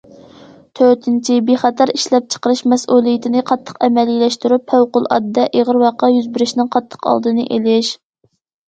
تۆتىنچى، بىخەتەر ئىشلەپچىقىرىش مەسئۇلىيىتىنى قاتتىق ئەمەلىيلەشتۈرۈپ، پەۋقۇلئاددە ئېغىر ۋەقە يۈز بېرىشنىڭ قاتتىق ئالدىنى ئېلىش.